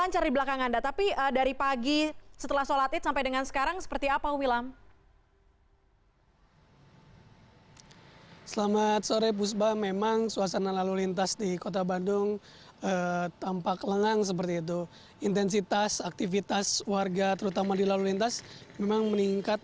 jalan asia afrika